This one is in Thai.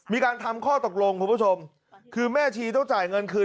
มีการทำข้อตกลงคุณผู้ชมคือแม่ชีต้องจ่ายเงินคืน